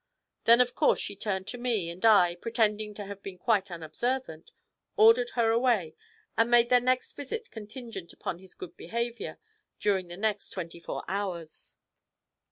Then of course she turned to me, and I, pretending to have been quite unobservant, ordered her away, and made their next visit contingent upon his good behaviour during the next twenty four hours.'